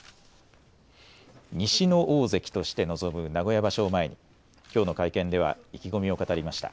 西の大関として臨む名古屋場所を前にきょうの会見では意気込みを語りました。